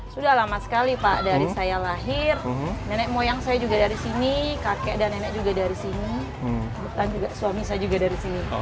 sudah lama sekali pak dari saya lahir nenek moyang saya juga dari sini kakek dan nenek juga dari sini suami saya juga dari sini